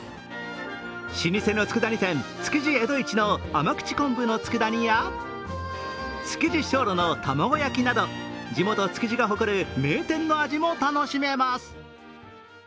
老舗の佃煮店、築地江戸一の甘口昆布のつくだ煮やつきぢ松露の玉子焼など地元・築地が誇る名店の味も楽しめます。